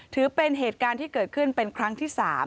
ถือเป็นเหตุการณ์ที่เกิดขึ้นเป็นครั้งที่๓